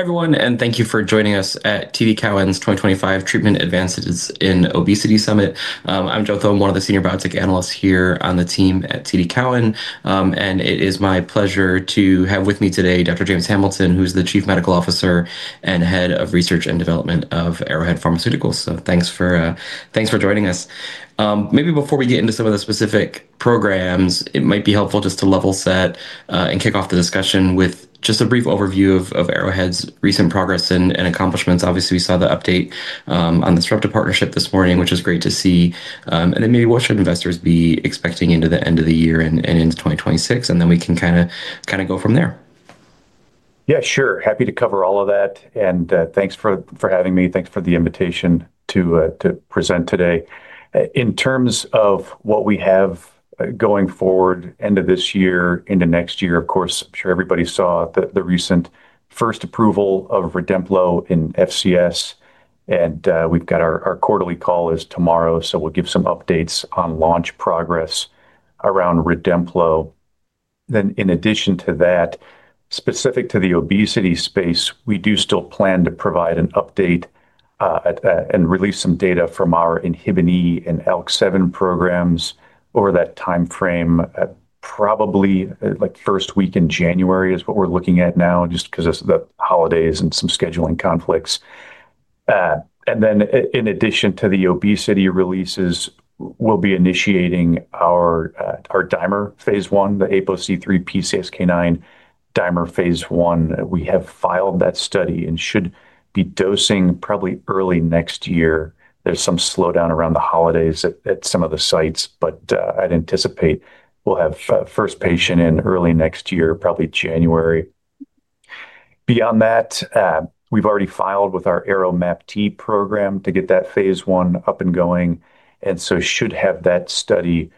Everyone, and thank you for joining us at TD Cowen's 2025 Treatment Advances in Obesity Summit. I'm Joe Thome, one of the Senior Biotech Analysts here on the team at TD Cowen, and it is my pleasure to have with me today Dr. James Hamilton, who is the Chief Medical Officer and Head of Research and Development of Arrowhead Pharmaceuticals. Thanks for joining us. Maybe before we get into some of the specific programs, it might be helpful just to level set and kick off the discussion with just a brief overview of Arrowhead's recent progress and accomplishments. Obviously, we saw the update on the Sarepta partnership this morning, which is great to see. Maybe what should investors be expecting into the end of the year and into 2026? We can kind of go from there. Yeah, sure. Happy to cover all of that. Thanks for having me. Thanks for the invitation to present today. In terms of what we have going forward, end of this year into next year, of course, I'm sure everybody saw the recent first approval of Redemplo in FCS. Our quarterly call is tomorrow. We'll give some updates on launch progress around Redemplo. In addition to that, specific to the obesity space, we do still plan to provide an update and release some data from our INHBE and ALK7 programs over that time frame. Probably like first week in January is what we're looking at now, just because of the holidays and some scheduling conflicts. In addition to the obesity releases, we'll be initiating our DIMER phase I, the APOC3 PCSK9 DIMER phase I. We have filed that study and should be dosing probably early next year. There's some slowdown around the holidays at some of the sites, but I'd anticipate we'll have the first patient in early next year, probably January. Beyond that, we've already filed with our ARO-MAPT program to get that phase I up and going. I should have that study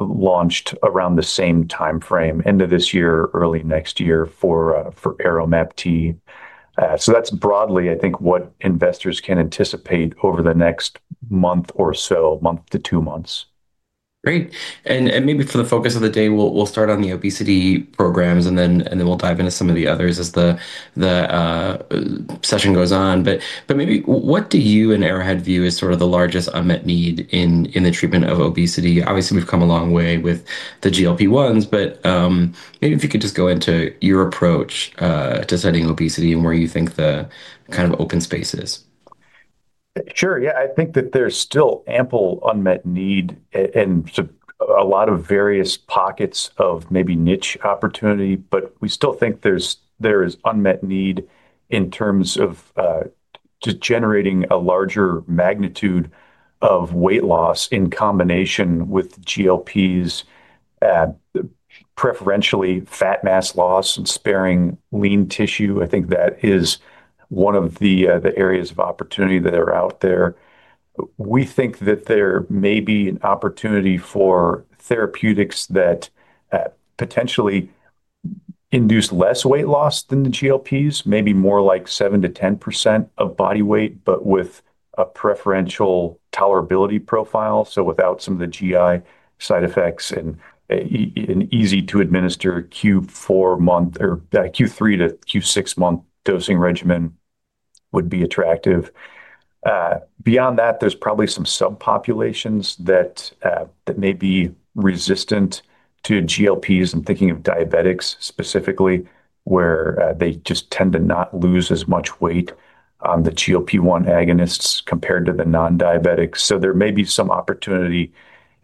launched around the same time frame, end of this year, early next year for ARO-MAPT. That's broadly I think what investors can anticipate over the next month or so, month to two months. Great. Maybe for the focus of the day, we'll start on the obesity programs and then we'll dive into some of the others as the session goes on. Maybe, what do you and Arrowhead view as sort of the largest unmet need in the treatment of obesity? Obviously, we've come a long way with the GLP-1s, but maybe if you could just go into your approach to studying obesity and where you think that are kind of the open space is. Sure. Yeah, I think that there's still ample unmet need and a lot of various pockets of maybe niche opportunity, but we still think there's unmet need in terms of generating a larger magnitude of weight loss in combination with GLPs, preferentially fat mass loss and sparing lean tissue. I think that is one of the areas of opportunity that are out there. We think that there may be an opportunity for therapeutics that potentially induce less weight loss than the GLPs, maybe more like 7%-10% of body weight, but with a preferential tolerability profile. Without some of the GI side effects and an easy-to-administer Q4 month or Q3 to Q6 month dosing regimen would be attractive. Beyond that, there's probably some subpopulations that may be resistant to GLPs and thinking of diabetics specifically, where they just tend to not lose as much weight on the GLP-1 agonists compared to the non-diabetics. There may be some opportunity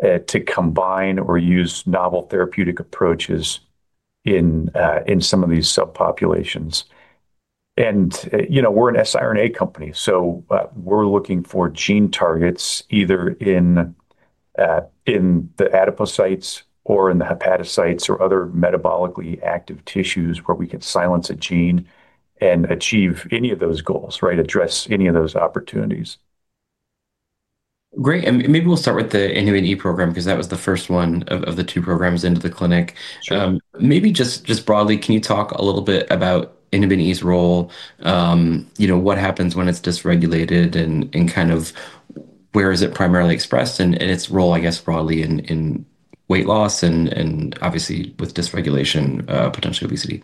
to combine or use novel therapeutic approaches in some of these subpopulations. We're an siRNA company, so we're looking for gene targets either in the adipocytes or in the hepatocytes or other metabolically active tissues, where we can silence a gene and achieve any of those goals, right? Address any of those opportunities. Great. Maybe we'll start with the INHBE program, because that was the first one of the two programs into the clinic. Maybe just broadly, can you talk a little bit about INHBE's role? What happens when it's dysregulated, and kind of where is it primarily expressed and its role I guess broadly in weight loss and obviously with dysregulation, potentially obesity?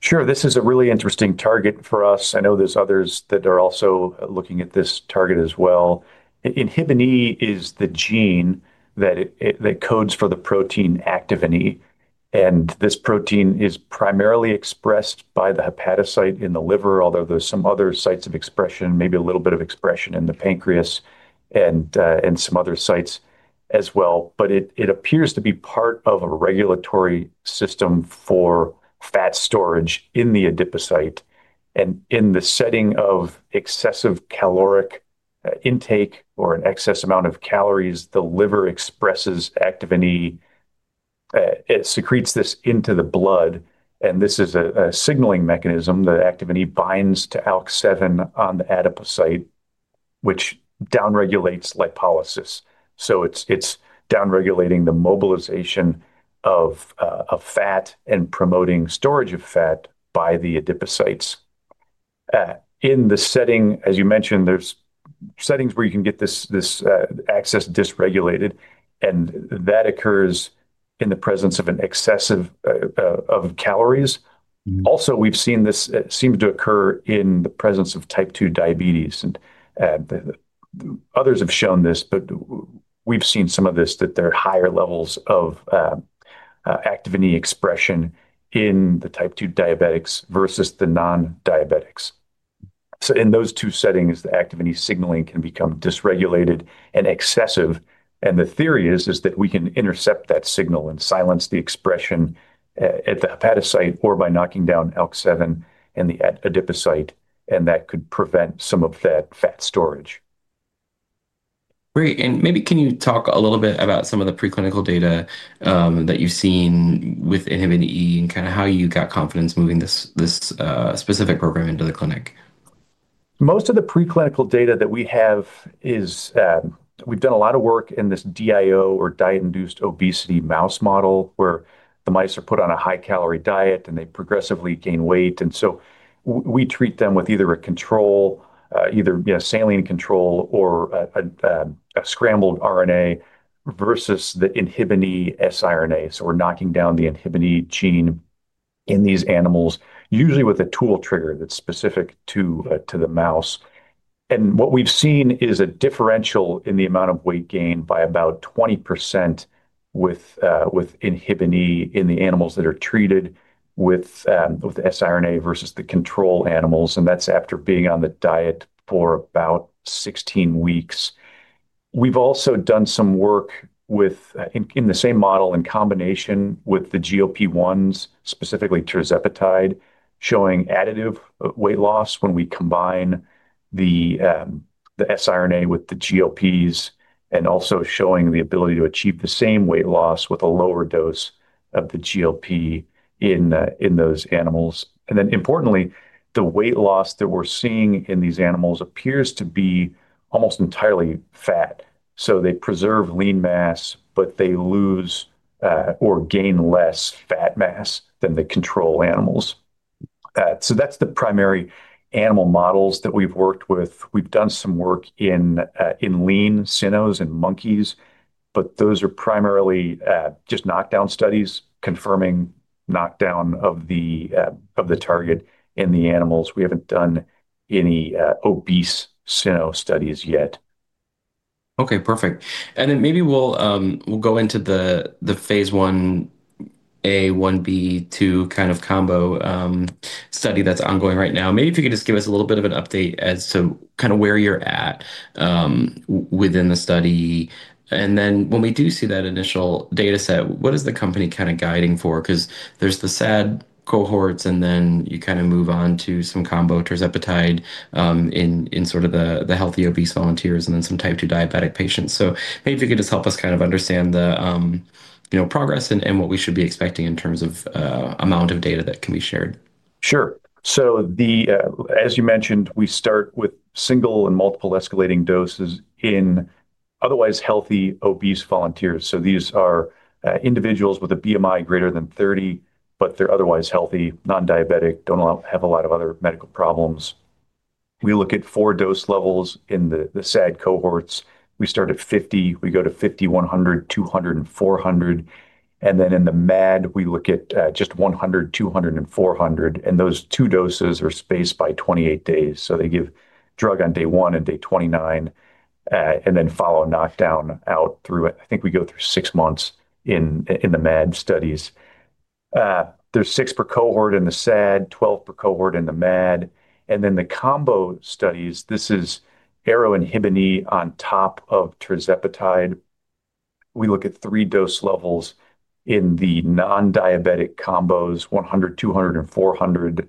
Sure. This is a really interesting target for us. I know there's others that are also looking at this target as well. INHBE is the gene that codes for the protein Activin E. This protein is primarily expressed by the hepatocyte in the liver, although there's some other sites of expression, maybe a little bit of expression in the pancreas and some other sites as well. It appears to be part of a regulatory system for fat storage in the adipocyte. In the setting of excessive caloric intake or an excess amount of calories, the liver expresses Activin E. It secretes this into the blood. This is a signaling mechanism. The Activin E binds to ALK7 on the adipocyte, which downregulates lipolysis. It is downregulating the mobilization of fat, and promoting storage of fat by the adipocytes. In the setting, as you mentioned, there's settings where you can get this excess dysregulated and that occurs in the presence of an excess of calories. Also, we've seen this seemed to occur in the presence of type 2 diabetes. Others have shown this, but we've seen some of this, that there are higher levels of Activin E expression in the type 2 diabetics versus the non-diabetics. In those two settings, the Activin E signaling can become dysregulated and excessive. The theory is that we can intercept that signal, and silence the expression at the hepatocyte or by knocking down ALK7 in the adipocyte and that could prevent some of that fat storage. Great. Maybe can you talk a little bit about some of the preclinical data that you've seen with INHBE, and kind of how you got confidence moving this specific program into the clinic? Most of the preclinical data that we have is, we've done a lot of work in this DIO or diet-induced obesity mouse model, where the mice are put on a high-calorie diet and they progressively gain weight. We treat them with either a control, either saline control or a scrambled RNA versus the INHBE siRNA. We're knocking down the INHBE gene in these animals, usually with a tool trigger that's specific to the mouse. What we've seen is a differential in the amount of weight gain by about 20% with INHBE, in the animals that are treated with the siRNA versus the control animals. That's after being on the diet for about 16 weeks. We've also done some work in the same model in combination with the GLP-1s, specifically tirzepatide, showing additive weight loss when we combine the siRNA with the GLPs and also showing the ability to achieve the same weight loss with a lower dose of the GLP in those animals. Importantly, the weight loss that we're seeing in these animals appears to be almost entirely fat. They preserve lean mass, but they lose or gain less fat mass than the control animals. That's the primary animal models that we've worked with. We've done some work in lean cynos and monkeys, but those are primarily just knockdown studies, confirming knockdown of the target in the animals. We haven't done any obese cyno studies yet. Okay, perfect. Maybe we'll go into the phase IA, IB, two kind of combo study that's ongoing right now. Maybe if you could just give us a little bit of an update as to kind of where you're at within the study. When we do see that initial data set, what is the company kind of guiding for? There's the SAD cohorts, and then you kind of move on to some combo tirzepatide in sort of the healthy obese volunteers and then some type 2 diabetic patients. Maybe if you could just help us kind of understand the progress, and what we should be expecting in terms of amount of data that can be shared. Sure. As you mentioned, we start with single and multiple escalating doses in otherwise healthy obese volunteers. These are individuals with a BMI greater than 30, but they're otherwise healthy, non-diabetic, do not have a lot of other medical problems. We look at four dose levels in the SAD cohorts. We start at 50, we go to 50, 100, 200, and 400. In the MAD, we look at just 100, 200, and 400. Those two doses are spaced by 28 days. They give drug on day one and day 29 and then follow knockdown out through, I think we go through six months in the MAD studies. There are six per cohort in the SAD, 12 per cohort in the MAD. The combo studies, this is ARO-INHBE on top of tirzepatide. We look at three dose levels in the non-diabetic combos, 100, 200, and 400,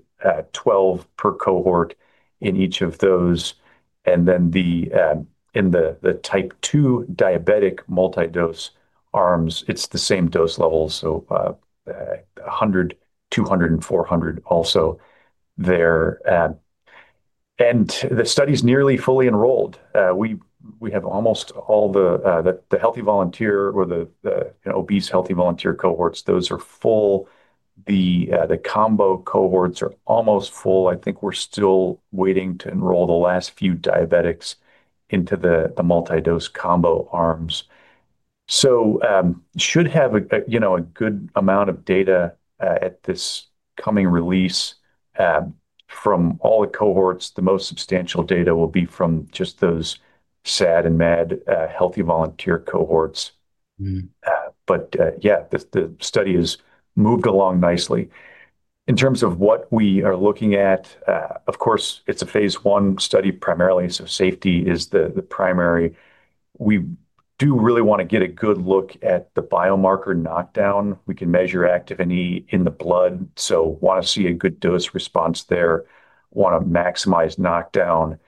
12 per cohort in each of those. In the type 2 diabetic multi-dose arms, it's the same dose levels, so 100, 200, and 400 also there. The study is nearly fully enrolled. We have almost all the healthy volunteer or the obese healthy volunteer cohorts. Those are full. The combo cohorts are almost full. I think we're still waiting to enroll the last few diabetics into the multi-dose combo arms. We should have a good amount of data at this coming release from all the cohorts. The most substantial data will be from just those SAD and MAD healthy volunteer cohorts. The study has moved along nicely. In terms of what we are looking at, of course it's a phase I study primarily, so safety is the primary. We do really want to get a good look at the biomarker knockdown. We can measure Activin E in the blood. Want to see a good dose response there, want to maximize knockdown.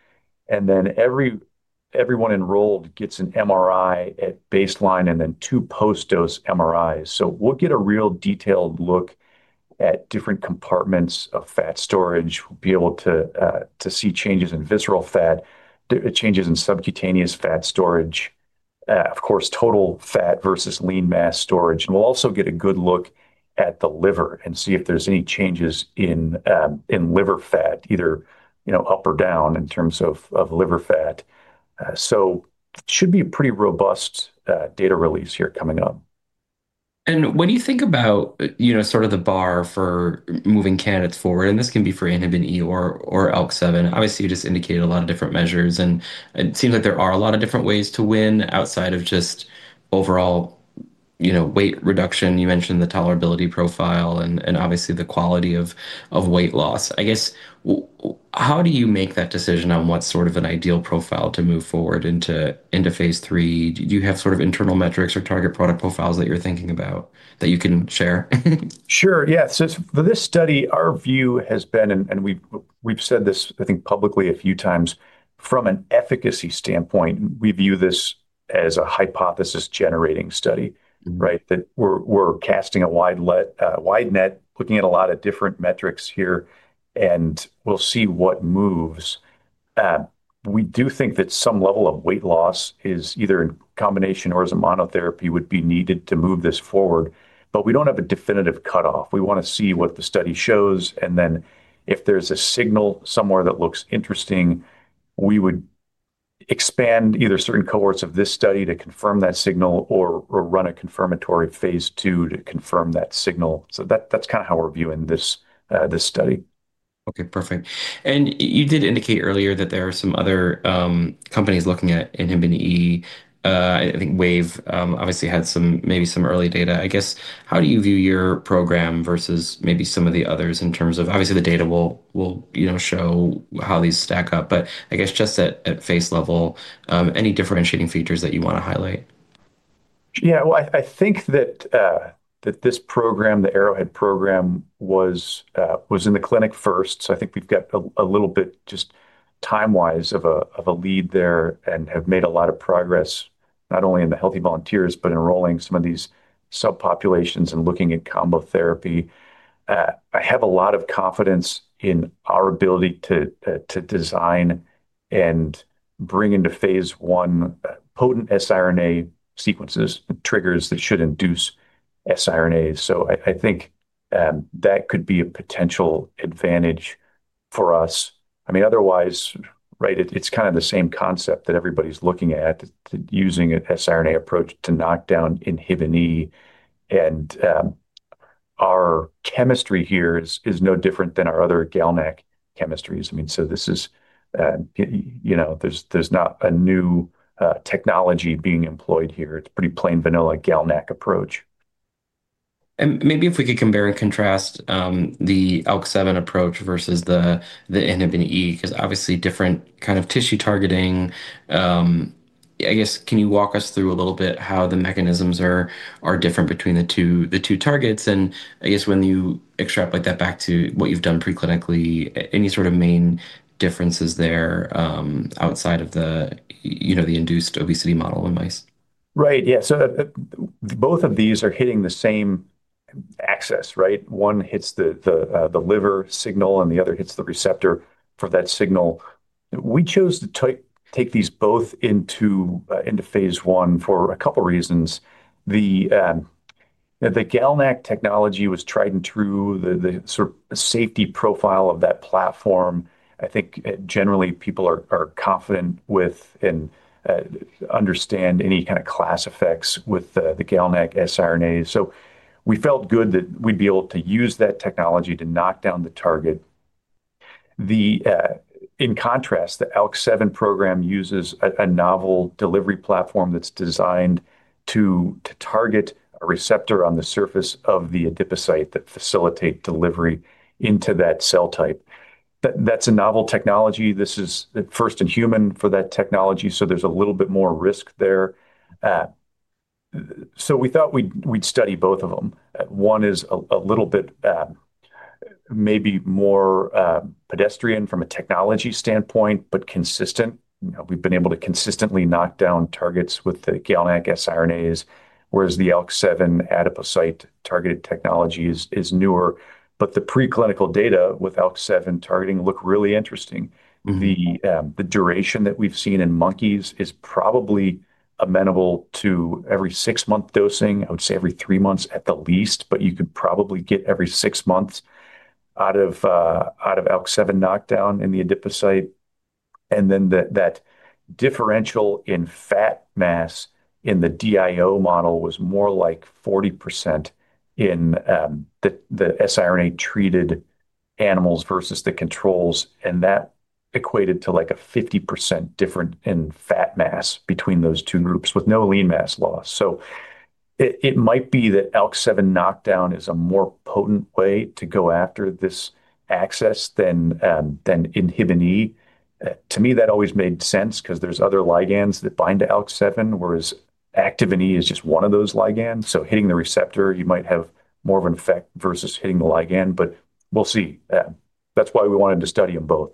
Everyone enrolled gets an MRI at baseline, and then two post-dose MRIs. We'll get a real detailed look at different compartments of fat storage. We'll be able to see changes in visceral fat, changes in subcutaneous fat storage, of course total fat versus lean mass storage. We'll also get a good look at the liver and see if there's any changes in liver fat, either up or down in terms of liver fat. Should be a pretty robust data release here coming up. When you think about sort of the bar for moving candidates forward, and this can be for INHBE or ALK7, obviously you just indicated a lot of different measures. It seems like there are a lot of different ways to win outside of just overall weight reduction. You mentioned the tolerability profile, and obviously the quality of weight loss. I guess, how do you make that decision on what sort of an ideal profile to move forward into phase III? Do you have sort of internal metrics or target product profiles that you're thinking about that you can share? Sure, yeah. For this study, our view has been, and we've said this I think publicly a few times, from an efficacy standpoint, we view this as a hypothesis-generating study, right? That we're casting a wide net, looking at a lot of different metrics here and we'll see what moves. We do think that some level of weight loss is either in combination or as a monotherapy would be needed to move this forward, but we don't have a definitive cutoff. We want to see what the study shows. If there's a signal somewhere that looks interesting, we would expand either certain cohorts of this study to confirm that signal or run a confirmatory phase II to confirm that signal. That's kind of how we're viewing this study. Okay, perfect. You did indicate earlier that there are some other companies looking at INHBE. I think Wave obviously had maybe some early data. I guess, how do you view your program versus maybe some of the others in terms of, obviously the data will show how these stack up, but I guess just at face level, any differentiating features that you want to highlight? Yeah, I think that this program, the Arrowhead program, was in the clinic first. I think we've got a little bit just time-wise, of a lead there and have made a lot of progress not only in the healthy volunteers, but enrolling some of these subpopulations and looking at combo therapy. I have a lot of confidence in our ability to design, and bring into phase I potent siRNA sequences and triggers that should induce siRNA. I think that could be a potential advantage for us. I mean, otherwise, right, it's kind of the same concept that everybody's looking at using an siRNA approach to knock down INHBE. Our chemistry here is no different than our other GalNAc chemistries. I mean, there's not a new technology being employed here. It's pretty plain vanilla GalNAc approach. Maybe if we could compare and contrast the ALK7 approach versus the INHBE, because obviously different kind of tissue targeting. I guess, can you walk us through a little bit, how the mechanisms are different between the two targets? I guess when you extrapolate that back to what you've done preclinically, any sort of main differences there outside of the diet-induced obesity model in mice? Right, yeah. Both of these are hitting the same axis, right? One hits the liver signal and the other hits the receptor for that signal. We chose to take these both into phase I for a couple of reasons. The GalNAc technology was tried and true. The sort of safety profile of that platform, I think generally people are confident with and understand any kind of class effects with the GalNAc siRNA. We felt good that we'd be able to use that technology to knock down the target. In contrast, the ALK7 program uses a novel delivery platform that's designed to target a receptor on the surface of the adipocyte that facilitates delivery into that cell type. That's a novel technology. This is first in human for that technology, so there's a little bit more risk there. We thought we'd study both of them. One is a little bit maybe more pedestrian from a technology standpoint, but consistent. We've been able to consistently knock down targets with the GalNAc siRNAs, whereas the ALK7 adipocyte-targeted technology is newer. The preclinical data with ALK7 targeting look really interesting. The duration that we've seen in monkeys is probably amenable to every six-month dosing. I would say every three months at the least, but you could probably get every six months out of ALK7 knockdown in the adipocyte. That differential in fat mass in the DIO model was more like 40% in the siRNA-treated animals versus the controls. That equated to like a 50% difference in fat mass between those two groups, with no lean mass loss. It might be that ALK7 knockdown is a more potent way to go after this axis than INHBE. To me, that always made sense because there's other ligands that bind to ALK7, whereas Activin E is just one of those ligands. Hitting the receptor, you might have more of an effect versus hitting the ligand, but we'll see. That's why we wanted to study them both.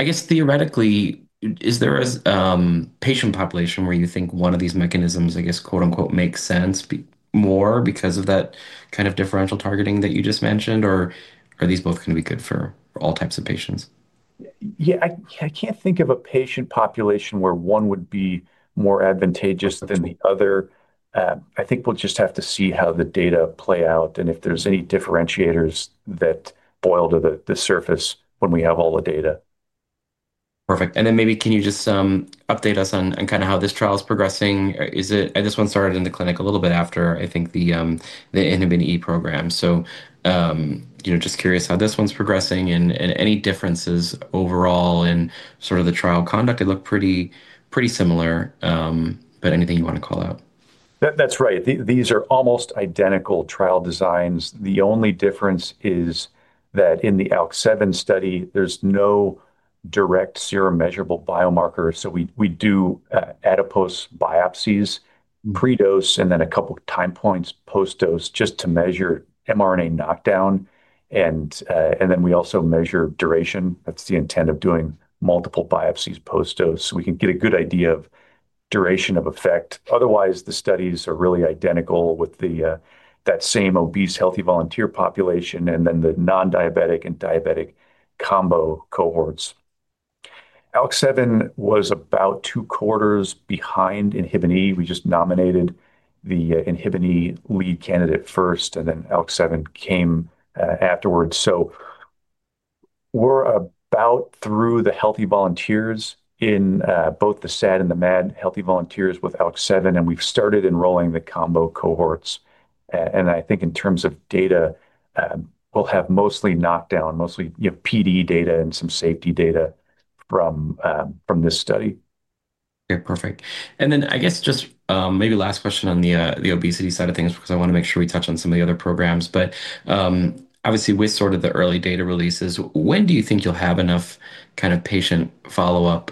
I guess theoretically, is there a patient population where you think one of these mechanisms, I guess, "makes sense more," because of that kind of differential targeting that you just mentioned or are these both going to be good for all types of patients? Yeah, I can't think of a patient population where one would be more advantageous than the other. I think we'll just have to see how the data play out, and if there's any differentiators that boil to the surface when we have all the data. Perfect. Maybe can you just update us on kind of how this trial is progressing? I guess one started in the clinic a little bit after I think the INHBE program. Just curious how this one's progressing, and any differences overall in sort of the trial conduct? It looked pretty similar, but anything you want to call out? That's right. These are almost identical trial designs. The only difference is that in the ALK7 study, there's no direct serum measurable biomarker. We do adipose biopsies pre-dose and then a couple of time points post-dose, just to measure mRNA knockdown. We also measure duration. That's the intent of doing multiple biopsies post-dose. We can get a good idea of duration of effect. Otherwise, the studies are really identical with that same obese healthy volunteer population, and then the non-diabetic and diabetic combo cohorts. ALK7 was about two quarters behind INHBE. We just nominated the INHBE lead candidate first, and then ALK7 came afterwards. We're about through the healthy volunteers in both the SAD and the MAD healthy volunteers with ALK7, and we've started enrolling the combo cohorts. I think in terms of data, we'll have mostly knockdown mostly PD data and some safety data from this study. Okay, perfect. I guess just maybe last question on the obesity side of things, because I want to make sure we touch on some of the other programs. Obviously, with sort of the early data releases, when do you think you'll have enough kind of patient follow-up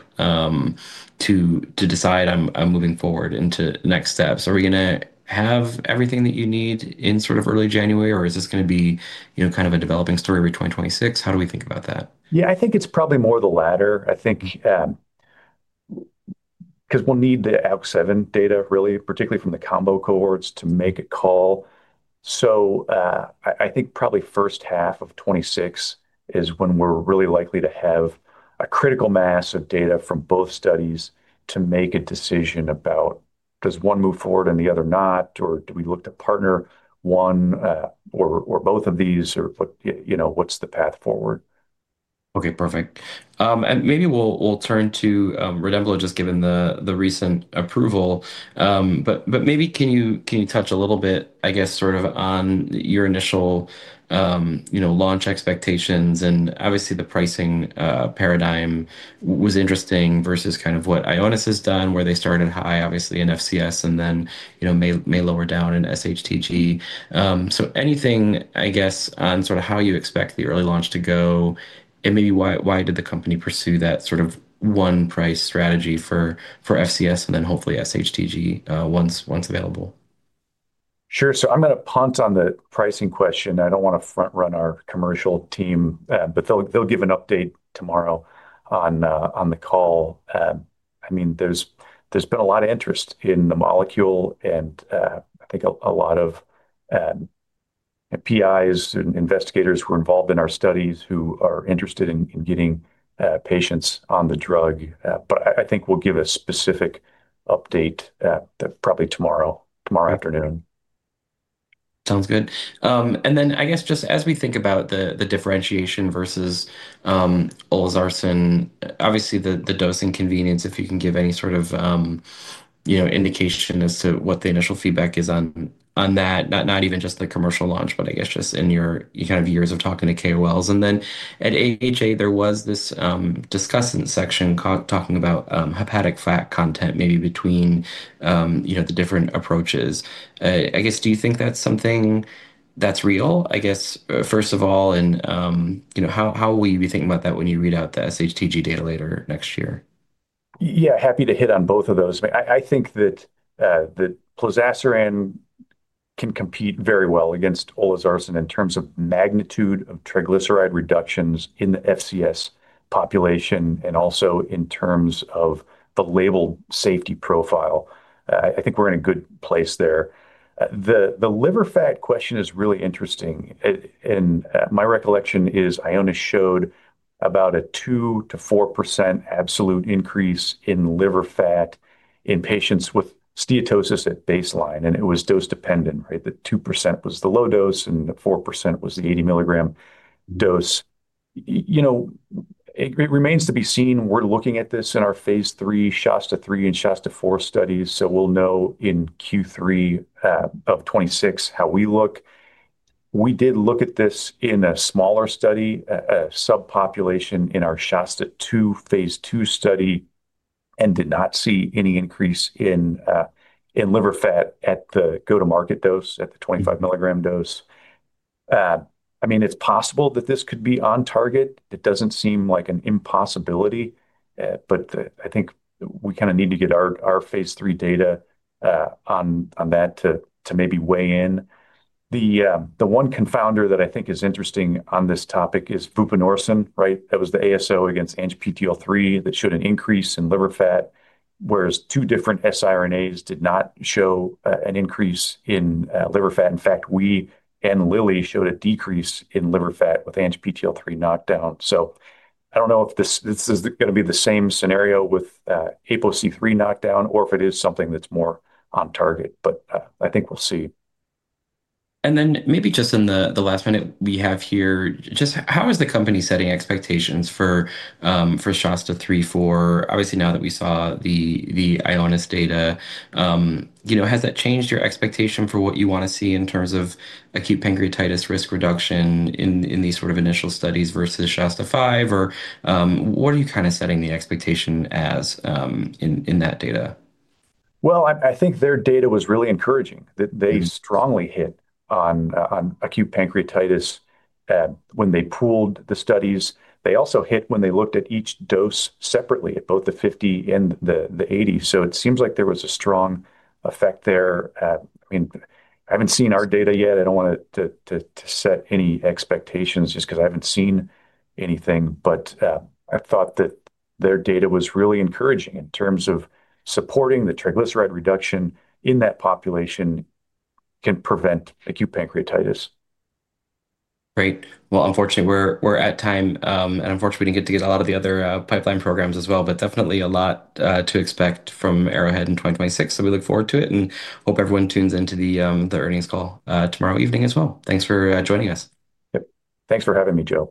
to decide, I'm moving forward into next steps? Are we going to have everything that you need in sort of early January, or is this going to be kind of a developing story in 2026? How do we think about that? Yeah, I think it's probably more the latter. I think because we'll need the ALK7 data really, particularly from the combo cohorts to make a call, so I think probably first half of 2026 is when we're really likely to have a critical mass of data from both studies to make a decision about, does one move forward and the other not or do we look to partner one or both of these, or what's the path forward? Okay, perfect. Maybe we'll turn to Redemplo, just given the recent approval. Maybe can you touch a little bit, I guess sort of on your initial launch expectations? Obviously, the pricing paradigm was interesting versus kind of what Ionis has done, where they started high obviously in FCS and then may lower down in SHTG. Anything, I guess, on sort of how you expect the early launch to go, and maybe why did the company pursue that sort of one-price strategy for FCS and then hopefully SHTG once available? Sure. I'm going to punt on the pricing question. I don't want to front-run our commercial team, but they'll give an update tomorrow on the call. I mean, there's been a lot of interest in the molecule, and I think a lot of PIs and investigators who were involved in our studies who are interested in getting patients on the drug. I think we'll give a specific update probably tomorrow afternoon. Sounds good. I guess just as we think about the differentiation versus olezarsen, obviously the dosing convenience, if you can give any sort of indication as to what the initial feedback is on that, not even just the commercial launch, but I guess just in your kind of years of talking to KOLs. At AHA, there was this discussion section talking about hepatic fat content maybe between the different approaches. I guess, do you think that's something that's real, I guess first of all? How will you be thinking about that when you read out the SHTG data later next year? Yeah, happy to hit on both of those. I think that plozasiran can compete very well against olezarsen in terms of magnitude of triglyceride reductions in the FCS population, and also in terms of the labeled safety profile. I think we're in a good place there. The liver fat question is really interesting. My recollection is, Ionis showed about a 2%-4% absolute increase in liver fat in patients with steatosis at baseline. It was dose-dependent, right? The 2% was the low dose, and the 4% was the 80 mg dose. It remains to be seen. We're looking at this in our phase III SHASTA-3 and SHASTA-4 studies. We'll know in Q3 of 2026 how we look. We did look at this in a smaller study, a subpopulation in our SHASTA-2 phase II study and did not see any increase in liver fat at the go-to-market dose, at the 25 mg dose. I mean, it's possible that this could be on target. It doesn't seem like an impossibility, but I think we kind of need to get our phase III data on that to maybe weigh in. The one confounder that I think is interesting on this topic is [buprenorphine], right? That was the ASO against ANGPTL3 that showed an increase in liver fat, whereas two different siRNAs did not show an increase in liver fat. In fact, we and Lilly showed a decrease in liver fat with ANGPTL3 knockdown. I don't know if this is going to be the same scenario with APOC3 knockdown or if it is something that's more on target, but I think we'll see. Maybe just in the last minute we have here, just how is the company setting expectations for SHASTA-3, 4? Obviously, now that we saw the Ionis data, has that changed your expectation for what you want to see in terms of acute pancreatitis risk reduction in these sort of initial studies versus SHASTA-5, or what are you kind of setting the expectation as in that data? I think their data was really encouraging that they strongly hit on acute pancreatitis when they pooled the studies. They also hit when they looked at each dose separately at both the 50 and the 80. It seems like there was a strong effect there. I mean, I have not seen our data yet. I do not want to set any expectations just because I have not seen anything, but I thought that their data was really encouraging in terms of supporting the triglyceride reduction in that population can prevent acute pancreatitis. Great. Unfortunately, we're at time, and unfortunately, we didn't get to get a lot of the other pipeline programs as well, but definitely a lot to expect from Arrowhead in 2026. We look forward to it, and hope everyone tunes into the earnings call tomorrow evening as well. Thanks for joining us. Yeah. Thanks for having me, Joe.